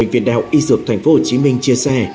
bệnh viện đạo y dược thành phố hồ chí minh chia sẻ